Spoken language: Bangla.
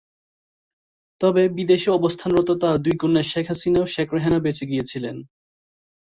তবে বিদেশে অবস্থানরত তার দুই কন্যা শেখ হাসিনা ও শেখ রেহানা বেঁচে গিয়েছিলেন।